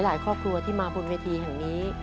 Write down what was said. ครอบครัวที่มาบนเวทีแห่งนี้